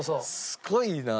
すごいな。